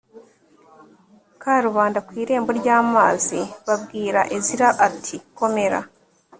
karubanda ku irembo ry amazi babwira ezira ati komera